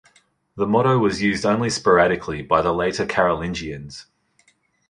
The motto was used only sporadically by the later Carolingians.